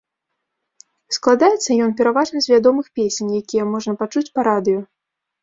Складаецца ён пераважна з вядомых песень, якія можна пачуць па радыё.